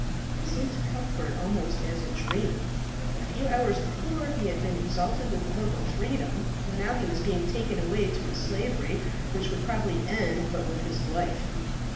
It seemed to Cuthbert almost as a dream. A few hours before he had been exalted with the hope of freedom; now he was being taken away to a slavery which would probably end but with his life.